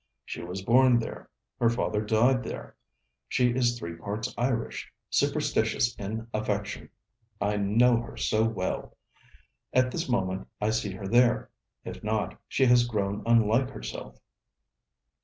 She was born there. Her father died there. She is three parts Irish superstitious in affection. I know her so well. At this moment I see her there. If not, she has grown unlike herself.'